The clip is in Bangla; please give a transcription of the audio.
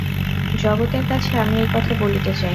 জগতের কাছে আমি এই কথা বলিতে চাই।